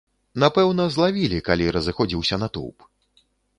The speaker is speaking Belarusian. Напэўна, злавілі, калі разыходзіўся натоўп.